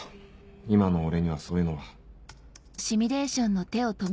今の俺にはそういうのは。